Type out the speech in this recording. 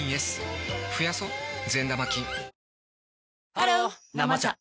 ハロー「生茶」